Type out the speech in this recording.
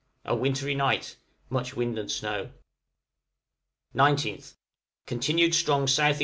A wintry night, much wind and snow. 19th. Continued strong S.E.